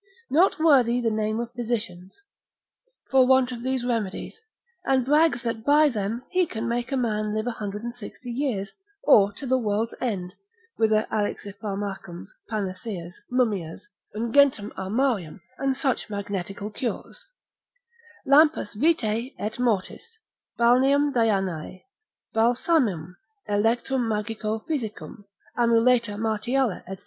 not worthy the name of physicians, for want of these remedies: and brags that by them he can make a man live 160 years, or to the world's end, with their Alexipharmacums, Panaceas, Mummias, unguentum Armarium, and such magnetical cures, Lampas vitae et mortis, Balneum Dianae, Balsamum, Electrum Magico physicum, Amuleta Martialia, &c.